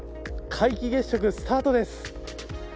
皆既月食スタートです。